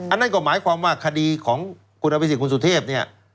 นั่นก็หมายความว่าคดีของคุณอภิษฎคุณสุเทพเนี่ย